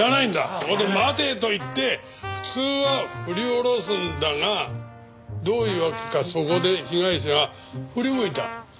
そこで「待て！」と言って普通は振り下ろすんだがどういうわけかそこで被害者が振り向いた。